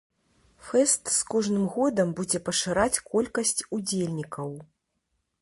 Фэст з кожным годам будзе пашыраць колькасць удзельнікаў.